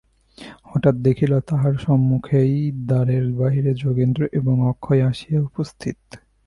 হঠাৎ দেখিল, তাহার সম্মুখেই দ্বারের বাহিরে যোগেন্দ্র এবং অক্ষয় আসিয়া উপস্থিত।